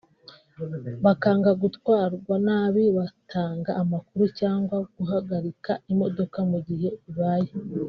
bakanga gutwarwa nabi batanga amakuru cyangwa guhagarika imodoka mu gihe bibaye